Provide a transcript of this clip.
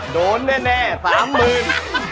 โดนแน่สามหมื่น